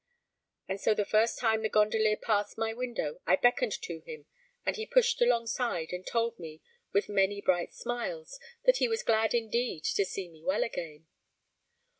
And so the first time the gondolier passed my window I beckoned to him, and he pushed alongside, and told me, with many bright smiles, that he was glad indeed to see me well again.